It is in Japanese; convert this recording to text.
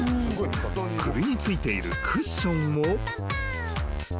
［首についているクッションを］